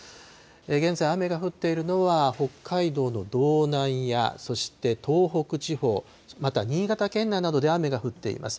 現在、雨が降っているのは、北海道の道南や、そして東北地方、また新潟県内などで雨が降っています。